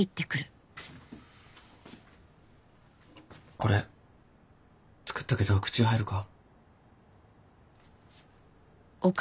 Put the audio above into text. これ作ったけど口入るか？